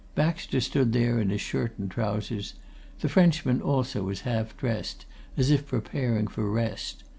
Baxter stood there in his shirt and trousers; the Frenchman also was half dressed, as if preparing for rest.